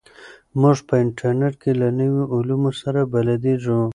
موږ په انټرنیټ کې له نویو علومو سره بلدېږو.